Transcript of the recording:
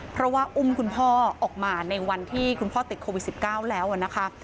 เพราะว่าอุ้มคุณพ่อออกมาในวันที่คุณพ่อติดโควิด๑๙แล้วนะคะ